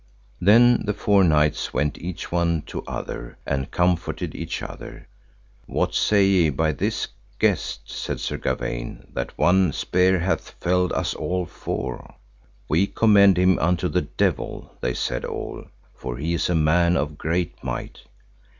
Then the four knights went each one to other and comforted each other. What say ye by this guest? said Sir Gawaine, that one spear hath felled us all four. We commend him unto the devil, they said all, for he is a man of great might.